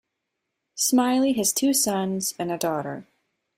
Smiley has two sons and a daughter.